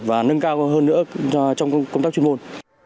và nâng cao hơn nữa trong công tác chuyên môn